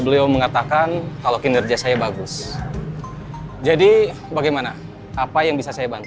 beliau mengatakan kalau kinerja saya bagus jadi bagaimana apa yang bisa saya bantu